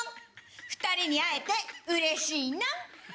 ２人に会えてうれしいナン。